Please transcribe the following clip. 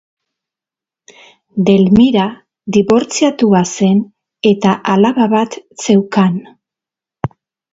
Delmira dibortziatua zen eta alaba bat zeukan.